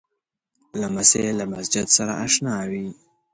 لمسی له مسجد سره اشنا وي.